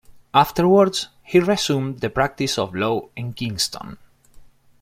Afterwards he resumed the practice of law in Kingston.